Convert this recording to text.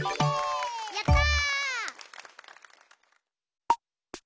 やった！